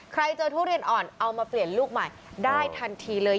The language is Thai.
เจอทุเรียนอ่อนเอามาเปลี่ยนลูกใหม่ได้ทันทีเลย